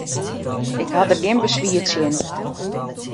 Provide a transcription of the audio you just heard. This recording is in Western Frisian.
Ik ha der gjin beswier tsjin.